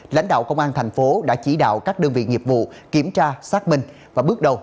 lãnh đạo công an thành phố đã chỉ đạo các đơn vị nghiệp vụ kiểm tra xác minh và bước đầu